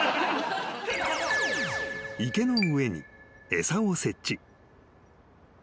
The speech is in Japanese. ［池の上に餌を設置］